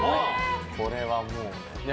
これはもうね。